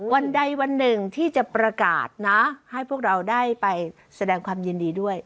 วันใดวันหนึ่งที่จะประกาศนะให้พวกเราได้ไปแสดงความยินดีด้วย